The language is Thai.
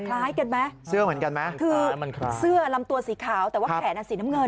คล้ายกันไหมเสื้อเหมือนกันไหมคือเสื้อลำตัวสีขาวแต่ว่าแขนอ่ะสีน้ำเงิน